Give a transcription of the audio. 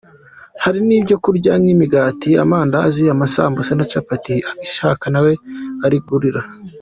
Harimo n’ibyo kurya nk’imigati, amandazi, amasambusa na capati, ubishaka na we arigurira.